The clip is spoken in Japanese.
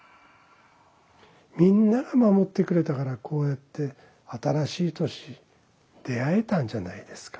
みんなが守ってくれたからこうやって新しい年に出会えたんじゃないですか。